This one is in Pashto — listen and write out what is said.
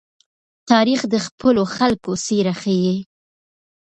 تاریخ د خپلو خلکو څېره ښيي.